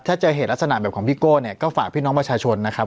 ถ้าเจอเหตุลักษณะแบบของพี่โก้เนี่ยก็ฝากพี่น้องประชาชนนะครับ